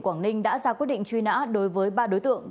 quảng ninh đã ra quyết định truy nã đối với ba đối tượng